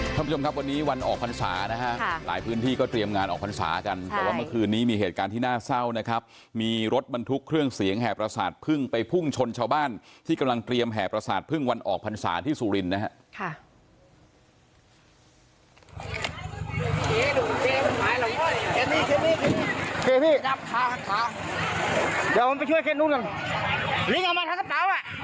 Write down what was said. ค่ะค่ะค่ะค่ะค่ะค่ะค่ะค่ะค่ะค่ะค่ะค่ะค่ะค่ะค่ะค่ะค่ะค่ะค่ะค่ะค่ะค่ะค่ะค่ะค่ะค่ะค่ะค่ะค่ะค่ะค่ะค่ะค่ะค่ะค่ะค่ะค่ะค่ะค่ะค่ะค่ะค่ะค่ะค่ะค่ะค่ะค่ะค่ะค่ะค่ะค่ะค่ะค่ะค่ะค่ะค่ะ